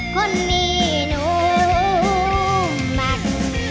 คนนี้หนูหมัด